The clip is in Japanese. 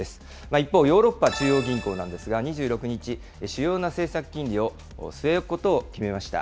一方、ヨーロッパ中央銀行なんですが、２６日、主要な政策金利を据え置くことを決めました。